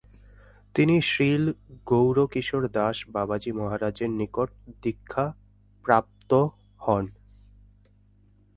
তিনি শ্রীল গৌরকিশোর দাস বাবাজী মহারাজের নিকট দীক্ষা প্রাপ্ত হন।